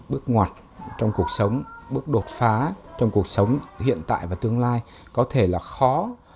bước ngoặt trong cuộc sống bước đột phá trong cuộc sống hiện tại và tương lai có thể là khó